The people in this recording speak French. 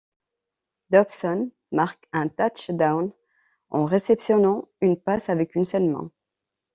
Dobson marque un touchdown en réceptionnant une passe avec une seule main.